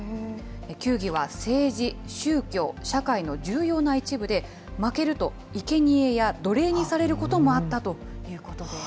球技は政治、宗教、社会の重要な一部で、負けるといけにえや奴隷にされることもあったということです。